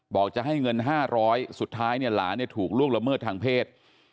บอกจะให้เงิน๕๐๐สุดท้ายเนี่ยหลานถูกล่วงละเมิดทางเพศ